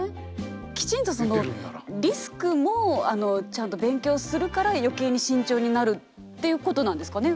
きちんとそのリスクもちゃんと勉強するから余計に慎重になるっていうことなんですかね。